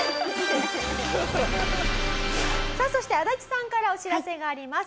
さあそして安達さんからお知らせがあります。